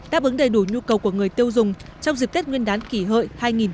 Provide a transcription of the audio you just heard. đáp ứng đầy đủ nhu cầu của người tiêu dùng trong dịp tết nguyên đán kỷ hợi hai nghìn một mươi chín